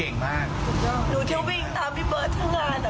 หนูจะวิ่งตามที่เบิร์ดทำงาน